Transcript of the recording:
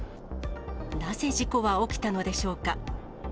なぜ事故は起きたのでしょうか。